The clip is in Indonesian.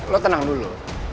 lo tenang dulu